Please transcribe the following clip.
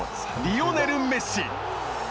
リオネル・メッシ。